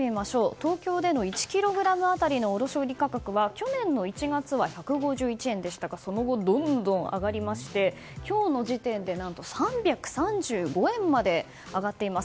東京での１ｋｇ当たりの卸売価格は去年の１月は１５１円でしたがその後どんどん上がりまして今日の時点で３３５円まで上がっています。